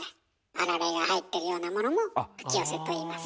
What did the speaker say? あられが入ってるようなものも「ふきよせ」といいます。